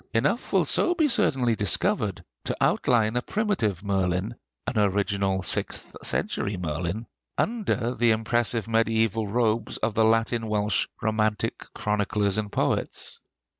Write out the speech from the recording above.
Enough will so be certainly discovered to outline a primitive Merlin, an original sixth century Merlin, under the impressive mediæval robes of the Latin Welsh romantic chroniclers and poets.